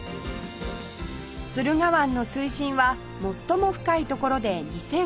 駿河湾の水深は最も深い所で２５００メートル